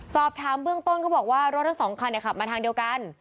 สอบถามเบื้องต้นก็บอกว่ารถสองคันเนี่ยขับมาทางเดียวกัน